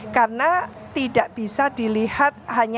karena tidak bisa dilihat hanya